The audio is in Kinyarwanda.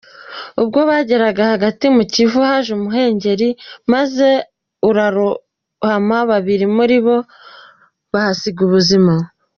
Ubwo bageraga hagati mu Kivu, haje umuhengeri maze urabaroha babiri muri bo bahasiga ubuzima.